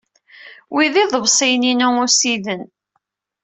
Wi d iḍebsiyen-inu ussiden.